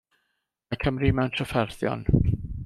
Mae Cymru mewn trafferthion.